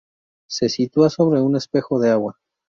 Se sitúa sobre un espejo de agua.